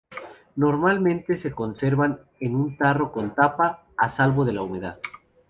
Normalmente se conservan en un tarro con tapa, a salvo de la humedad.